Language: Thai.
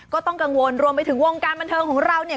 ก็ต้องกังวลรวมไปถึงวงการบันเทิงของเราเนี่ย